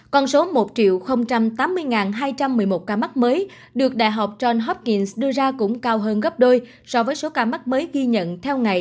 con số một tám mươi hai trăm một mươi một ca mắc mới được đại học john hopkins đưa ra cũng cao hơn gấp đôi so với số ca mắc mới ghi nhận theo ngày